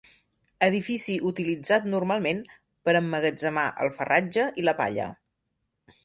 Edifici utilitzat normalment per emmagatzemar el farratge i la palla.